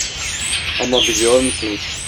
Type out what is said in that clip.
Ama biliyor musunuz?